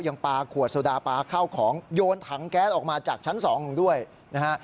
ปลาขวดโซดาปลาข้าวของโยนถังแก๊สออกมาจากชั้นสองด้วยนะฮะ